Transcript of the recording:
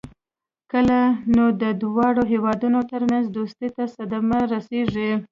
کنه نو د دواړو هېوادونو ترمنځ دوستۍ ته صدمه رسېږي.